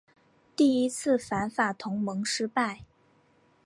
第一次反法同盟失败。